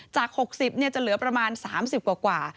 จาก๖๐จะเหลือประมาณ๓๐กว่า